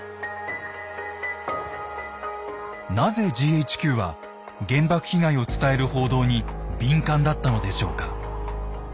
なぜＧＨＱは原爆被害を伝える報道に敏感だったのでしょうか。